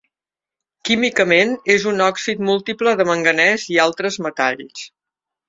Químicament és un òxid múltiple de manganès i altres metalls.